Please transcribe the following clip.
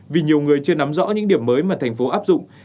vì nhiều người chưa nắm rõ những điểm mới mà thành phố áp dụng